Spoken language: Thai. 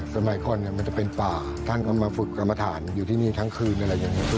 สมัยคนมันจะเป็นฝ่าท่านมาฝึกกรรมฐานอยู่ที่นี่ทั้งคืน